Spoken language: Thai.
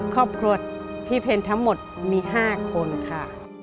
ครอบครัวพี่เพลทั้งหมดมี๕คนค่ะ